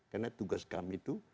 karena tugas kami itu